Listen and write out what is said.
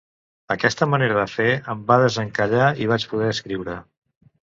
Aquesta manera de fer em va desencallar, i vaig poder escriure.